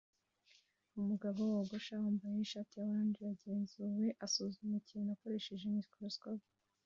Umugabo wogosha wambaye ishati ya orange yagenzuwe asuzuma ikintu akoresheje microscope